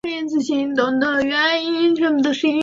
阿门多埃拉是葡萄牙布拉干萨区的一个堂区。